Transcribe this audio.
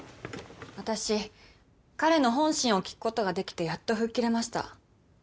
私彼の本心を聞くことができてやっと吹っ切れました。